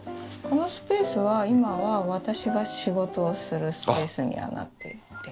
このスペースは今は私が仕事をするスペースになっているので。